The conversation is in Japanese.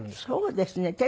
そうですね。